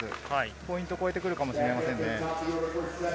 ポイントを超えてくるかもしれませんね。